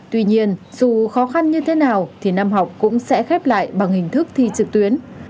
tuy nhiên dù khó khăn như thế nào thì năm học cũng sẽ khép lại bằng hình thức thi trực tuyến